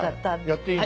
やっていい。